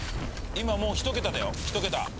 今もう一桁だよ一桁。